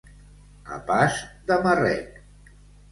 A pas de marrec.